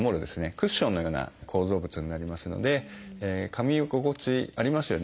クッションのような構造物になりますのでかみ心地ありますよね